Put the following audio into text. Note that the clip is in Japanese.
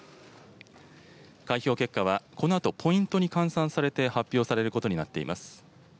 開票結果はこのあと、ポイントに換算されて発表されることになっています。